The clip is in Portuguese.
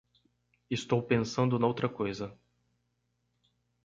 estou pensando noutra coisa